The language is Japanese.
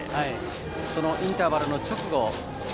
そのインターバルの直後